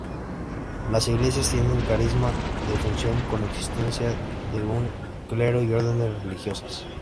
Las iglesias tienen "carisma de función", con existencia de un clero y órdenes religiosas.